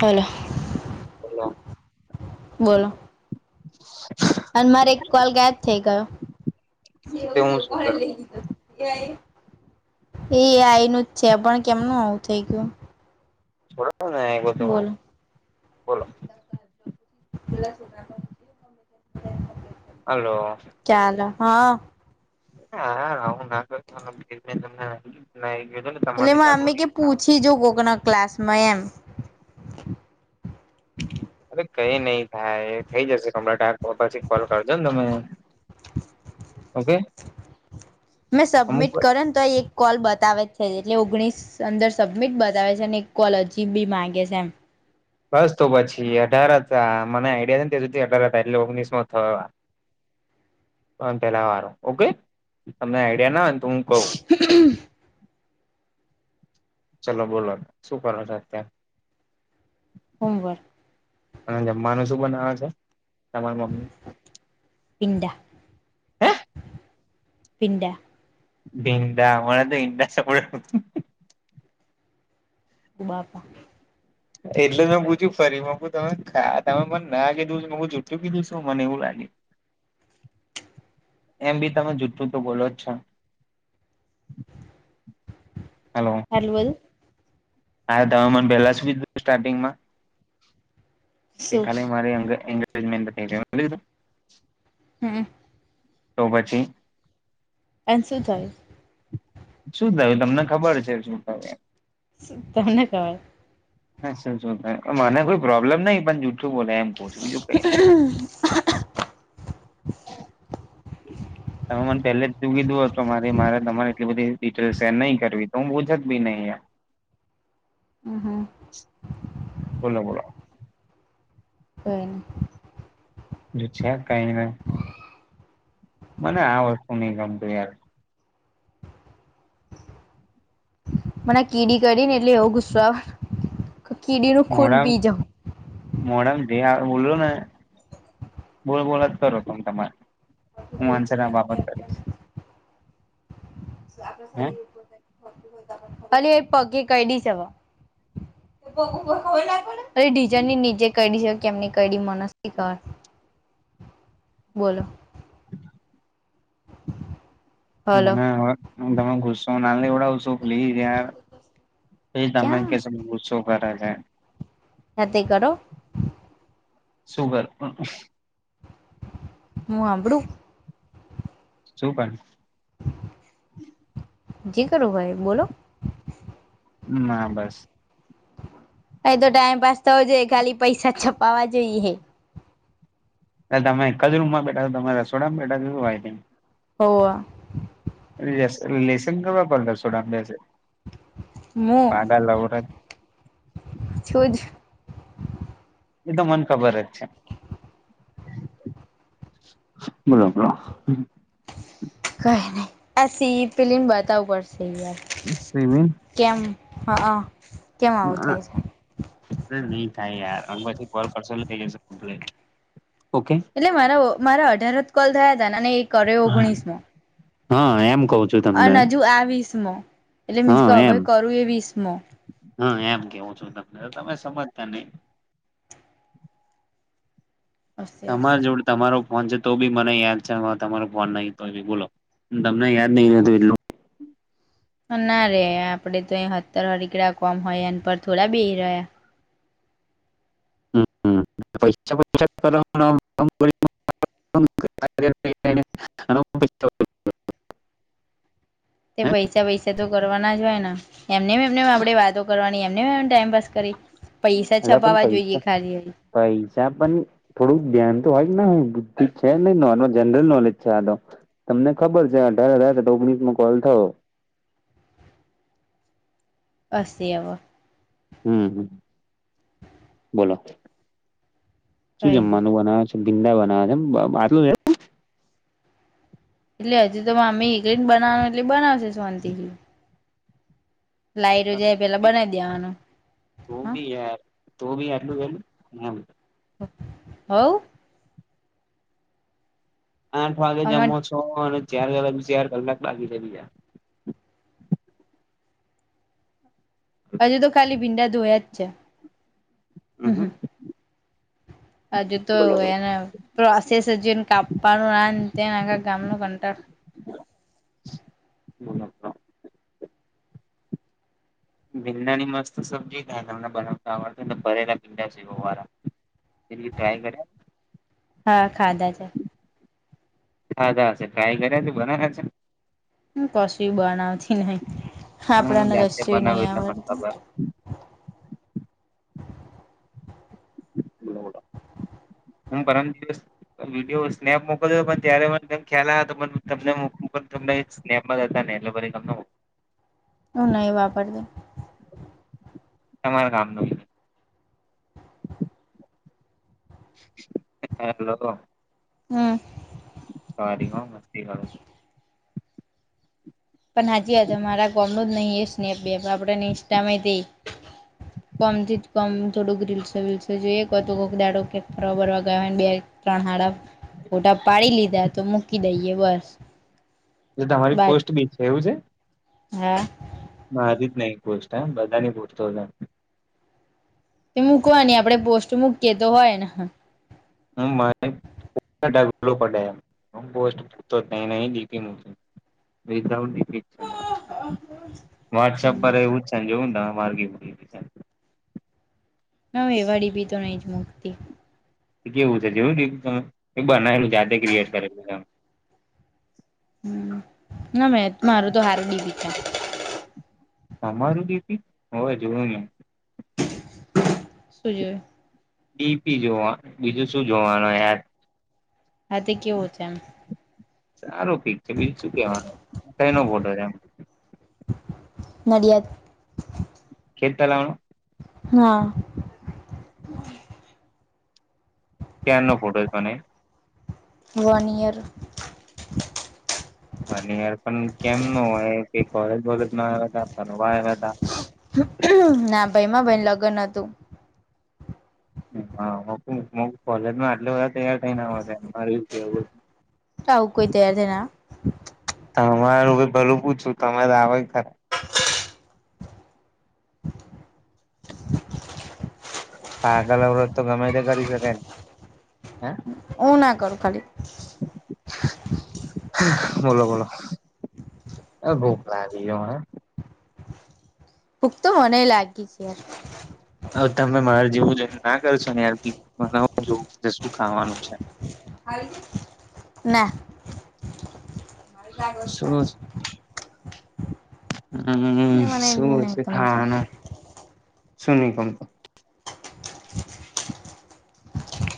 Hello બોલો [inaudible] અને મારે એક કોલ ગાયબ થઇ ગયોી તે હું શું કરું એ આનું જ છે પણ કેમનું આવું થઇ ગયું છોડ ને બધું બોલો બોલો તુલા સુધ હલોલો ચાલ હા હાુંમને તમા જાગ ખીજો કોકના ક્લાસમાં એમ અરે કઈ નહીિ થાય થઈ જશે કમળટાર તો પછી કોલ કરજો ને તમે ઓકે મેં અમુક સબમિટ કરો ને તો આ એક કોલ બતાવે જ છે એટલે ઓગણીસ અંદર સબમિટ બતાવે છે અને એક કોલ હજી બી માગે છે એમ બસ તો પછી અઢાર હતા મને આઈડિયા ને ત્યાં સુધી અઢાર હતા એટલે ઓગણીસ માં થવા પેલા વાર ઓકે તમને આઈડિયા ના હોય તો હું કહઉ હ ચલો બોલો શું કરો છ અત્યાં સોમવાર અને જમવાનું શું બનાવે છે તમારી મમ્મી પિંડા હે પિંડા ભીંડા અમારા તો ભીંડા સડ બાપ એટલે મેં પૂછ્યું ફરી મ તમેા તમે મને ના કીધું જુઠું કીધું શું, મને એવું લાગ્યું એમ બી તમે જુઠું તો બોલો જ છો. હલો. હલ્વલ. આયો તમે મને શું કીધું પહેલા સ્ટારિંગમાં કે શું ખાલી મારી [unintelligible] [unintelligible] હમ્મ. તો પછી એન્સ નું થાય શું થયુ, તમને ખબર છે શું થયુ એ તમને ખબર હા, [unintelligible] મને કોઈ પ્રોબ્લેમ નહી પણ જુઠું બોલે એમ કઉ છું બીજું કઈ ની તમે મને પહેલે જ તું કીધું તો મારી મારે તમારે એટલી બધી ડિટેલ શેર નહી કરવી, તો હું પૂછત બી નઈ એમ હમ્મ, હમ્મ. બોલો બોલો કઈ ની જે છે કઈ નઈ મને આ વસ્તુ નઈ ગમતું યાર મને કીડી કરડી ને એટલે એવો ગુસ્સો આવે, કીડી નું ખૂન પી જાવ મોડામ જે [unintelligible] આવેને બોલોને બોલ બોલ જ કરો તમ તમારે, હું અંસાર આપ આપ કરીસ. હે? અલી એ પગે કઈડીશે અવે. [unintelligible] ડીજાની નીચે કાયડી છે કે એમની કડી મન સી ખબર બોલો હલો મને હવે તમે ગુસો ના લેવડાવશો, પ્લીઝ યાર પછી તમે ક્યાં કેશો ગુસ્સો કરે છે. નથી કરો સુુ કરું? હું હાભળું શું પણ? જી કરો ભાઈ બોલો ના બસ કઈ તો ટાઈમ પાસ થવો જોઈએ ખાલી પૈસા છપાવા જોઈએ. તમે એક જ રૂમમાં બેઠા છો, તમે રસોડામાં બેઠા છો [unintelligible] હોવા. વેસણ લેસન કરવા કોણ રસોડામાં બેસે? મુ પાગા લવરત છુંજ એતો મને ખબર જ છે. બોલો બોલો કઈ નઈ, એસી ફિલ્મ બતાવ પડશે યાર સિમિ કેમ હ અ માં હ નહી થાય યાર આ પછી કોલ કરશો એ થઈ જશે કમ્પ્લેટ ઓકે. એટલે મારા મારા અઢાર જ કોલ થયા હતા અને એક. કર્યો ઓગણીસમો હા એમ કઉ છું તમને અને હજુ આવીસ મો. એટલે મીજ હા કે અભય એમ કરું એ વીસમો. હા એમ કેવું છું તમને તમે સમજતા નહી. હશે હશે તમારા જોડે. તમારો ફોન છે તો બી મને યાદ છે તમારો ફોન નહી તો બી બોલો તમને યાદ નહી હોતું એટલું. ના રે આપડે તો અહી હેટર વાર નીકળ્યા કોમ હોય એ પર થોડા બે રહ્યા. પૈસા પૈસા કરવા ના [unintelligible] [unintelligible] તે પૈસા પૈસા તો કરવાના જ હોયને. એમને એમનેમ આપણે વાતો કરવાની એમને એમ ટાઈમપાસ કરી પૈસા અલા પણ છપાવા જોઈએ પૈસા ખાલી. પૈસા પણ થોડુંક ધ્યાન તો હોય જ ના હોય બુદ્ધિ જ છે ને નોર્મલ. જનરલ નોલેજ છે આ તમને ખબર છે અઢાર હજાર ઓગણીસો કોલ થયો. પસી હવે. હમ હમ બોલો શું કઈ નઈ જમવાનું બનાવે છે. ભીંડા બનાવા આટલું. એટલે હજીતો મામી એકલીને બનાવ એટલે બનાવશે શંતિજી. લાઈટ જાય પેલા બનાવી દેવાનું. તું હ બી યાર તું બી એટલું એ એમ. હવ. આઠ વાગે અમાર જમો છો અને ચાર વાગે ચાર કલાક લાગી છે બીજા. હજુ તો ખાલી ભીંડા ધોયા જ છે. [inaudible] હજુ તો બરાબર એને [unintelligible] કાપવાનું [unintelligible] ભીંડા ની મસ્ત સબ્જી થાય તમને બનાવતા આવડને ભરેલા ભીંડા છે. [unintelligible] એ ટાઈમ મલે. હા ખાધા છે. ખાધા છે ટ્રાય કર્યા ત બનાવ્યા છે. કશું બનાવતી નહ હું આપણને જાતે કસું બનાવું નહ એટલે મને આવડતું. [inaudible] [unintelligible] વિડીયો સ્નેપ મોકલ દ પણ ત્યારે મને તમ ખ્યાલ આવ તો પણ તમને પણ તમને. [unintelligible] હ નઈ વાપરતી. તમારા ગામ ન. હાલો હમ હાલો [unintelligible] પણ હજીજ મારા કોમનું જ નહીં એ સ્નેપજેપ આપણેને ઈન્સ્ટામાં દઈ. કોમજીટ. કમ થોડુંક રીલસે વીલસે જોઈએ તો કો દાડો ફરવારવા ગયો બે ત્રણ હાડા. ફોટા પાડી લીધા તો મૂકી દઈએ બસ. [unintelligible] બા પોસ્ટ બી છે એવું છે. હા. મારી જ નઈ એક પોસ્ટ હ બધા ની પૂરતો. એ મુકવાની આપડે પોસ્ટ મૂકીએ તો હોય ને. [unintelligible] બે તઉ. વોટ્સપ હમ પર એવું છે જોવુંને ત માર્ગી. ના વેવાળી બી તો નહી જ મુકતી. કેવું છે [unintelligible] બનાવેલું જાતે ક્રિએટ કરેલું છે. હમ્મ, ના મેં મારું તો હારું દીબી તે. તમારુ ડી પી, હોવે જોયુંને. શું જોયું? ડી પી જોવા, બીજું શું જોવાનો યાર? હા તે કેવો છે એમ? સારું પીક છે બીજું શું કેવાનું? કૈનો ફોટો છે એમ? નડિયાદ. કેટલાણું હા. ક્યારનો ફોટો ક ને? One year. વન યર પણ કેમ નો હોય એ કઈ કોલેજ બોલેજ ના આઈવા તા, ફરવા આઈવા તા? ના ભઈ માં ભઇન લગન હતું. હા મુકુ મ કોલેજમાં આટલા બધા તૈયાર થઈને આવે છે, મારે એવું કેહવુ હ ર આઉ કોઈ તૈયાર થઇ ના. તમારું ભી ભલું પૂછું તમે લાવે એ ખરા. પાગળ અવરોત તો ગમે તે કરી શકેન, હે? ઉ ના કરું ખાલી. બોલો બોલો. અ ભૂખ લાગી એ મને. ભૂખ તો મનેઈ લાગી છે યાર. હવે તમે મારા જેવું જોઈને ના કરશો ને યાર પી [inaudible] મને હો જોવું, શું ખાવાનું છે? ના. શું? હમ્મ, એ મને શું હ નહી છે ગમતું ખાવાનું? શું નહી કમતો?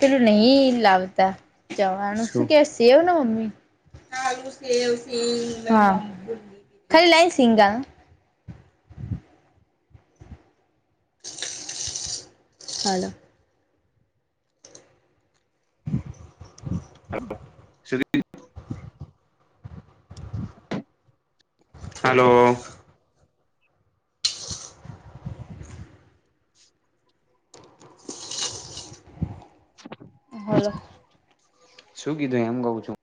પેલું નહી લાવતા, ચવાણું શું કે સેવ ને મમ્મી? હા, ખાલી લાઇન સિંગા. Hello. Hello, Shri hello. Hello. શું કીધું એમ કઉ છું?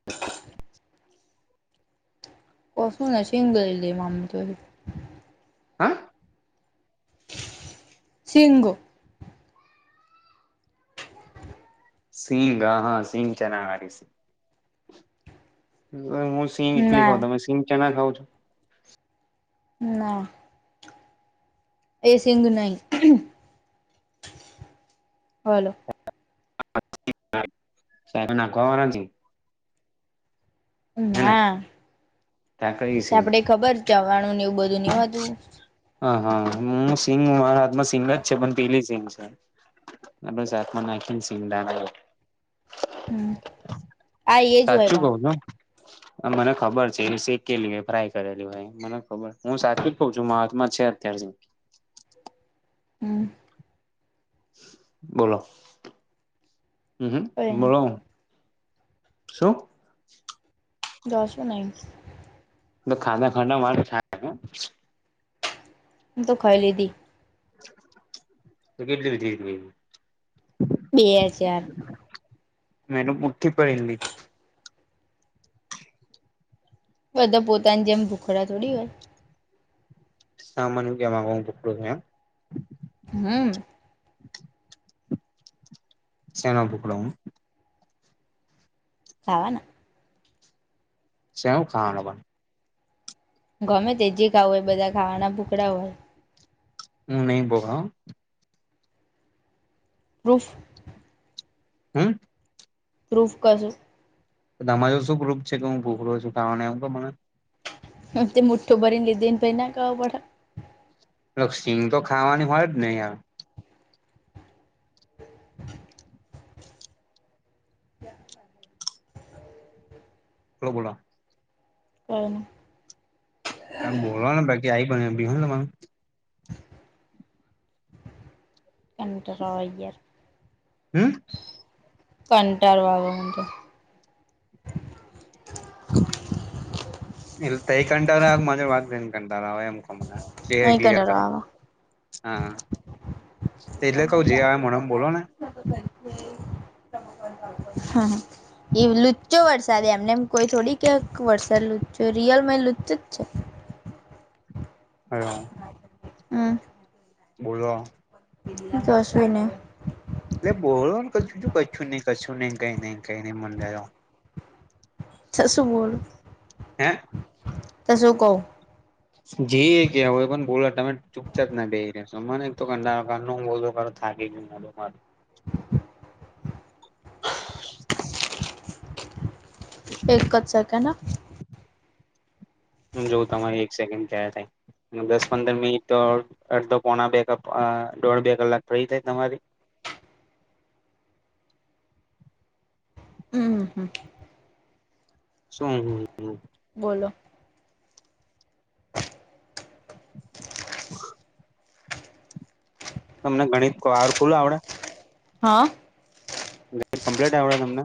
કસું નઇ શીંગ ગલી તી મામ તરી હા? સિંગ. સિંગ, અ હ સિંગ ચના વારી સી હું સિંગ એકલી ખાવં ના તમે સિંગ ચના ખાવં છો? ના. એ સિંગુ નઇ. હલો. [unintelligible] સાહે ના ગવારા છી. હેને ના, ત્યાં કઈ સિંગ તાપડે ખબર ચવાણુંને એવું બધું ની હોતું? હ હ, હું સિંગ મારા હાથમાં સિંગ જ છે પણ પેલી સિંગ છે. આ બસ હાથમાં નાખીન સીંગદાણા એ હમ આ એજ હોય સાચું કવ છું. અ મને ખબર છે, એ શેકેલી એ ફ્રાય કરેલી હોય. મને ખબર, હું સાચું જ કઉં છું મા મા છે અત્યારે સિંગ. હમ્મ. બોલો, હ હમ બોલો. શું? દસો નઇ. ખાધા ખાના મા તો ખાઈ લીધી. તો કેટ રી થ [unintelligible] બે હજાર. મેન મુઠી પડીલી. બધા પોતાની જેમ ભૂખડા થોડી હોય. સામાન્યું કેમાં કું પકડું એમ. હમ. [inaudible] સેના પકડા? ખાવાના. છે શું ખાવાનું પણ? ગમે તેજી ખાવું હોય બધા ખાવાના ભુખડા હોય. હું નહી બોલો. પ્રૂફ. હમ. પ્રૂફ કરશો? તો તમારો શું પ્રૂફ છે કે હું ભૂખલો છું ખાવાને મને. તે મુઠ્ઠો ભરીને લીધી ને પછી ન ખબર પડે. એ સીંગ તો ખાવાની હોય જ ને યાર. લો બોલો. ક [unintelligible] બોલો ને બાકી આવી બન્યું હમણાં તમારું. [inaudible] કટ્રઈય [unintelligible] હમ. કંટાળો આવે છે મને તો. એલ્ તૈઈ કંટાળો આવે કે મારી જોડે વાત કરીને કંટાળો આવે એમ કોહ મને. એ અહીં કક્લીઅર કંટાળો કરો આવે હા. તેટલે કહું જે આવે મોઢા માં બોલો ને. હા. એ લુચો વરસાદ એમનેમ કોઈ થોડી ક્યાંક વરસાદ લુચો રિયલમાં લુચો જ છે. હેલો. હમ. બોલો. [unintelligible] એટલે બોલો કશું કશું નહી કશું નઈ કઈ નઈ કઈ નઈ મંડ્યા છો. શું બોલું. હે? ત સું કહો? જી કહેવુ હોય એ પણ બોલો તમે ચૂપચાપ ના બેસી રહેશો મને એક તો કંટાળો ક્યારનો એક તો બોલ બોલ કરું થાકી ગયો. હ [unintelligible] [inaudible] એક જ સેકન્ડ હા. જો તમારી એક સેકન્ડ ક્યાં થાય. દસ પંદર મિનિટ તો અડધો પોણા બેકઅપ દોઢ બે કલાક ફ્રી થાય તમારી. હમ હમ. શું હ. બોલો. [inaudible] તમને ગણિત વાર ફુલ આવડે હા. કમપ્લેટ આવડે તમને